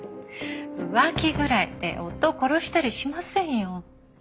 浮気ぐらいで夫を殺したりしませんよ。